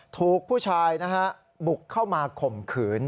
ถูกผู้ชายนะฮะบุกเข้ามาข่มขืน